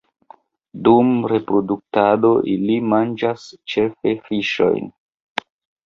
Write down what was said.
Dum reproduktado ili manĝas ĉefe fiŝojn.